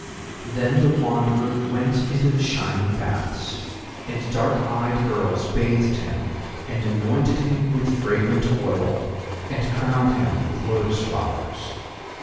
Then the Wanderer went into the shining baths, and dark eyed girls bathed him and anointed him with fragrant oil, and crowned him with lotus flowers.